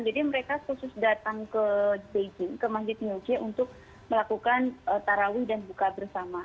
jadi mereka khusus datang ke beijing ke masjid new jai untuk melakukan tarawih dan buka bersama